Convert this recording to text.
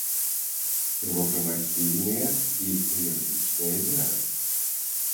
Трэба прымаць пільныя і энергічныя меры.